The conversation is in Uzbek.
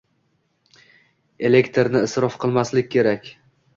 Elektrni isrof qilmaslik kerak!